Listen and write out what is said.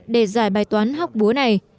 để giải bài toán hóc búa này